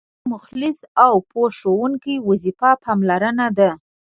د یو مخلص او پوه ښوونکي وظیفه پاملرنه ده.